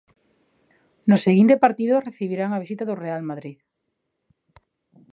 No seguinte partido recibirán a visita do Real Madrid.